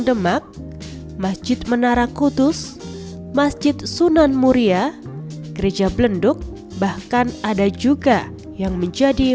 demak masjid menara kutus masjid sunan muria gereja belenduk bahkan ada juga yang menjadi